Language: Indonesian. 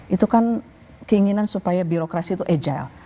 itu kan keinginan supaya birokrasi itu agile